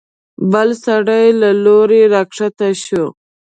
بل سړی له لوړې راکښته شو.